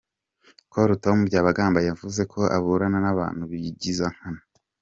Col Tom Byabagamba yavuze ko aburana n’abantu bigiza nkana.